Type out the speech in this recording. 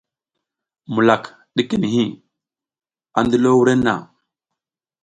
Mulak ɗike niʼhi, a ndilo wurenna.